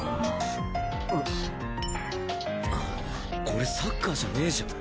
これサッカーじゃねえじゃん。